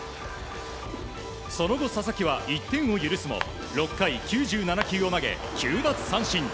その後、佐々木は１点を許すも６回９７球を投げ９奪三振。